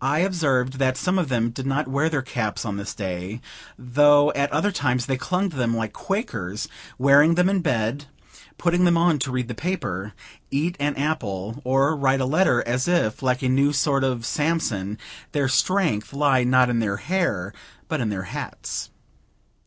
I observed that some of them did not wear their caps on this day, though at other times they clung to them like Quakers; wearing them in bed, putting them on to read the paper, eat an apple, or write a letter, as if, like a new sort of Samson, their strength lay, not in their hair, but in their hats.